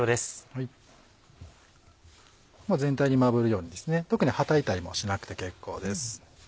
全体にまぶるように特にはたいたりもしなくて結構です。